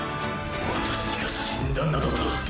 私が死んだなどと。